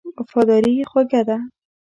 وفاداري خوږه ده.